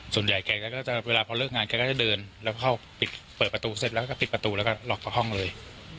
แกก็จะเวลาพอเลิกงานแกก็จะเดินแล้วเข้าเปิดประตูเสร็จแล้วก็ปิดประตูแล้วก็ล็อกจากห้องเลย